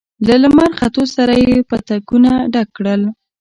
له لمر ختو سره يې پتکونه ډک کړل.